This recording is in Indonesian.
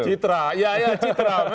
citra ya ya citra